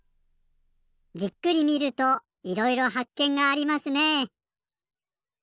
じっくり見るといろいろはっけんがありますね。